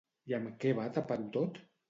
I amb què va tapar-ho tot?